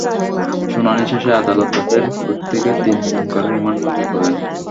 শুনানি শেষে আদালত তাঁদের প্রত্যেকের তিন দিন করে রিমান্ড মঞ্জুর করেন।